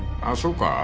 ああそうか？